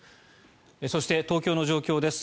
そして、東京の状況です。